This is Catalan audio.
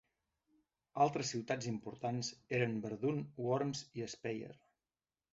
Altres ciutats importants eren Verdun, Worms i Speyer.